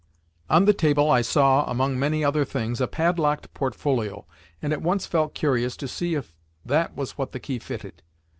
On the table I saw, among many other things, a padlocked portfolio, and at once felt curious to see if that was what the key fitted.